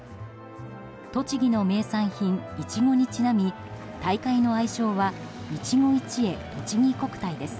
栃木の名産品、イチゴにちなみ大会の愛称はいちご一会とちぎ国体です。